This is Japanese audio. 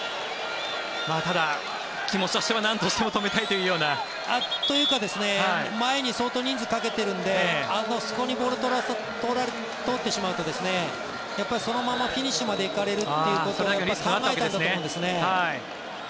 ただ、気持ちとしてはなんとしても止めたいというような。というか前に相当人数をかけているのであそこでボールを取ってしまうとそのままフィニッシュまで行かれるということを考えたんだと思いますね。